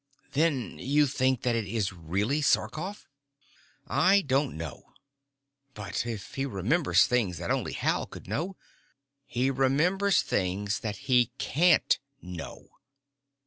"Then you think that it is really Sarkoff?" "I don't know." "But if he remembers things that only Hal could know " "He remembers things that he can't know."